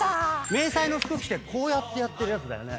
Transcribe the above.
迷彩の服着てこうやってやってるやつだよね？